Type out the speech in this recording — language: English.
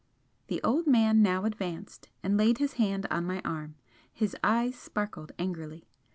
The old man now advanced and laid his hand on my arm. His eyes sparkled angrily.